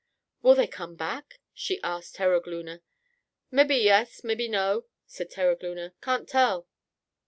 "Will they come back?" she asked Terogloona. "Mebby yes; mebby no," said Terogloona. "Can't tell."